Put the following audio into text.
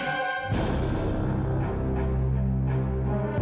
selamat pagi mila